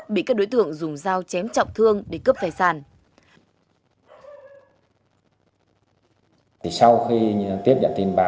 bị các đối tượng dùng dao chém trọng thương để cướp tài sản